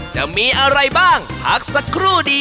จะมีอะไรบ้างพักสักครู่ดี